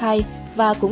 và cũng từ đời trước